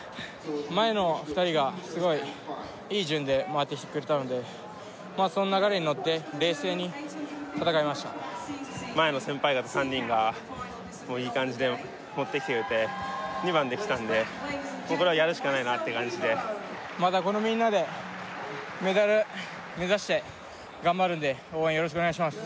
前の２人がすごいいい順でまわってきてくれたのでまあその流れに乗って冷静に戦えました前の先輩方３人がいい感じで持ってきてくれて２番できたんでもうこれはやるしかないなって感じでまたこのみんなでメダル目指して頑張るんで応援よろしくお願います